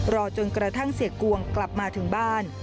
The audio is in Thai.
รอจนกระทั่งเสียกวงกลับมาถึงบ้าน